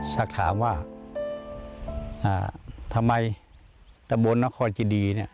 สักถามว่าทำไมตะบนนครจิดีเนี่ย